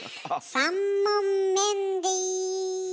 ３問メンディー。